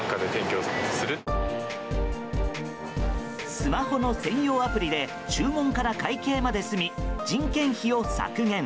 スマホの専用アプリで注文から会計まで済み人件費を削減。